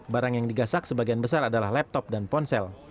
barang yang digasak sebagian besar adalah laptop dan ponsel